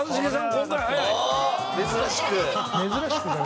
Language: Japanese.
今回早い！